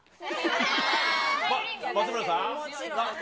松村さん？